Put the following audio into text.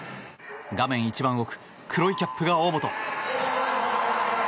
画面一番奥黒いキャップが大本。